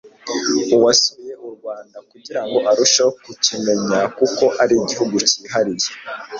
uwasuye u Rwanda kugira ngo arusheho kurumenya kuko ari igihugu kihariye,